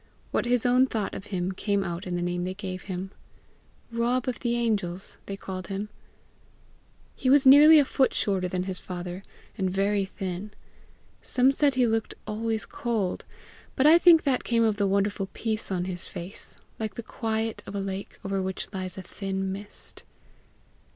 What his own thought of him came out in the name they gave him: "Rob of the Angels," they called him. He was nearly a foot shorter than his father, and very thin. Some said he looked always cold; but I think that came of the wonderful peace on his face, like the quiet of a lake over which lies a thin mist.